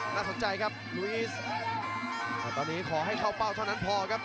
น่าสนใจครับลูอีสตอนนี้ขอให้เข้าเป้าเท่านั้นพอครับ